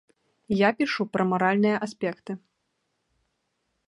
Я пішу пра маральныя аспекты.